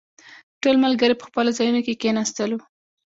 ټول ملګري په خپلو ځايونو کې کښېناستلو.